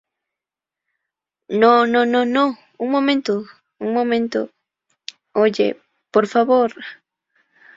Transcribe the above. ¡ No, no, no, no, un momento! Un momento. oye. ¡ por favor!